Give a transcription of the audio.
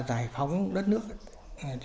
giải phóng đất nước